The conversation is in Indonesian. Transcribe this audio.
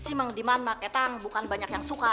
sih mengediman maketan bukan banyak yang suka